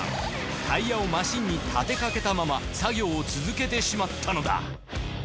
タイヤをマシンに立てかけたまま作業を続けてしまったのだ。